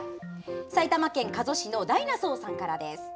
埼玉県加須市のダイナソーさんからです。